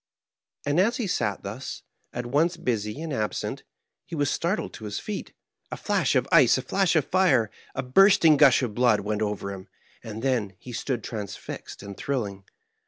And as he sat thus, at once busy and absent, he was startled to his feet. A flash of ice, a flash of flre, a bursting gush of blood, went over him, and then he stood transfixed and thrilling.